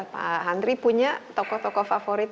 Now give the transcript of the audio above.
pak andri punya tokoh tokoh favorit